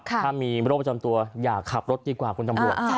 ถ้ามีโรคประจำตัวอย่าขับรถดีกว่าคุณตำรวจ